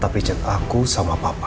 tapi cetak aku sama papa